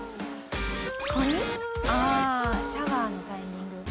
ああーシャワーのタイミング。